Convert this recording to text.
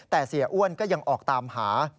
แต่เสียอ้วนก็ยังออกตามหา